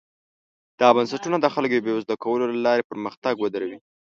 دا بنسټونه د خلکو بېوزله کولو له لارې پرمختګ ودروي.